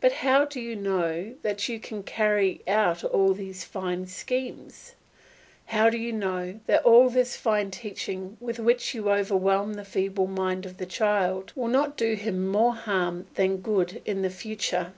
But how do you know that you can carry out all these fine schemes; how do you know that all this fine teaching with which you overwhelm the feeble mind of the child will not do him more harm than good in the future?